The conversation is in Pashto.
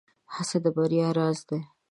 هڅه د بريا راز دی.